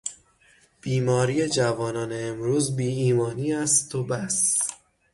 بیماری جوانان امروز بیایمانی است و بس.